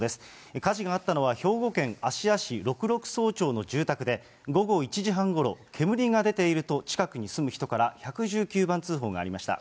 火事があったのは兵庫県芦屋市六麓荘町の住宅で、午後１時半ごろ、煙が出ていると近くに住む人から１１９番通報がありました。